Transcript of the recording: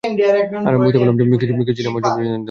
আর আমি বুঝতে পারলাম যে, কিছু জিনিস আপনার জানা দরকার।